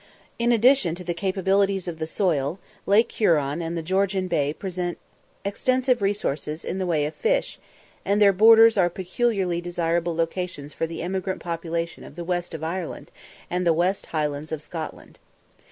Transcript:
In addition to the capabilities of the soil, Lake Huron and the Georgian Bay present extensive resources in the way of fish, and their borders are peculiarly desirable locations for the emigrant population of the west of Ireland and the west Highlands of Scotland.